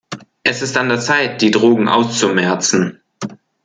Es ist an der Zeit, die Drogen auszumerzen.